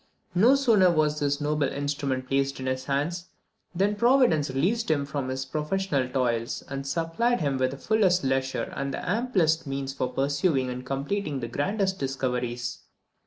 No sooner was that noble instrument placed in his hands, than Providence released him from his professional toils, and supplied him with the fullest leisure and the amplest means for pursuing and completing the grandest discoveries.